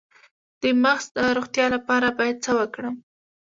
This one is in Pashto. د مغز د روغتیا لپاره باید څه وکړم؟